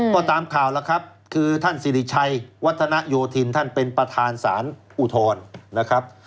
ก็ตามข่าวแล้วครับคือท่านสิริชัยวัฒนโยธินท่านเป็นประธานสารอุทธรณ์นะครับ